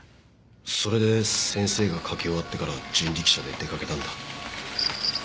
それで先生が書き終わってから人力車で出かけたんだ。